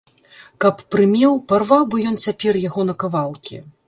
Каб прымеў, парваў бы ён цяпер яго на кавалкі.